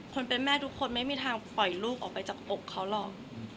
คนเป็นแม่ทุกคนไม่มีทางปล่อยลูกออกไปจากอกเขาหรอก